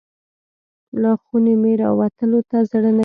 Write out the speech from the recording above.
له خونې مې راوتلو ته زړه نه کیده.